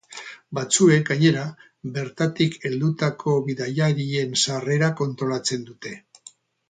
Batzuek, gainera, bertatik heldutako bidaiarien sarrera kontrolatzen dute.